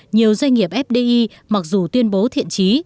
nhiều doanh nghiệp fdi mặc dù tuyên bố thiện trí